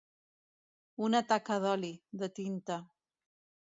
Una taca d'oli, de tinta.